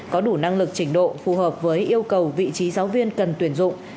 có đủ năng lực trình độ phù hợp với yêu cầu vị trí giáo viên cần tuyển dụng